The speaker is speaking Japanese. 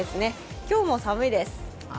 今日も寒いです。